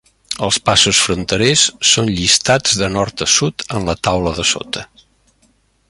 Els passos fronterers són llistats de nord a sud en la taula de sota.